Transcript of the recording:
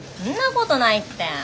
そんなことないって。